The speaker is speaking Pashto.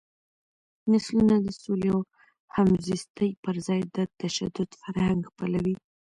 نسلونه د سولې او همزیستۍ پر ځای د تشدد فرهنګ خپلوي.